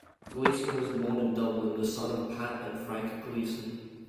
Gleeson was born in Dublin, the son of Pat and Frank Gleeson.